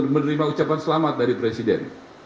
menerima ucapan selamat dari presiden